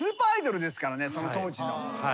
その当時の。